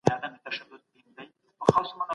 ځينې اثار يې د کتابونو په بڼه خپاره شوي دي.